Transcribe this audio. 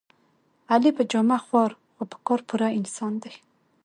علي په جامه خوار خو په کار پوره انسان دی.